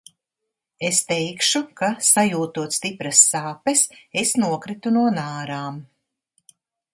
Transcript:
Es teikšu, ka sajūtot stipras sāpes, es nokritu no nārām.